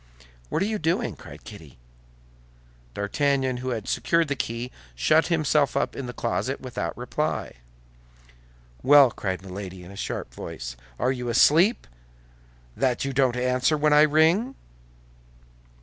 "What are you doing?" cried Kitty. D'Artagnan, who had secured the key, shut himself up in the closet without reply. "Well," cried Milady, in a sharp voice. "Are you asleep, that you don't answer when I ring?"